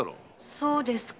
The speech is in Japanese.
そうですか。